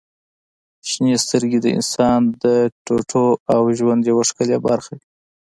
• شنې سترګې د انسان د ټوټو او ژوند یوه ښکلي برخه دي.